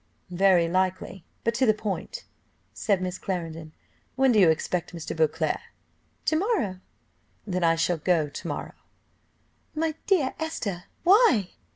'" "Very likely; but to the point," said Miss Clarendon, "when do you expect Mr. Beauclerc?" "To morrow." "Then I shall go to morrow!" "My dear Esther, why?"